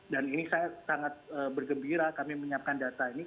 dan saya sangat bergembira kami menyiapkan data ini